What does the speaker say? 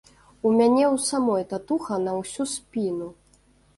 У мяне ў самой татуха на ўсю спіну.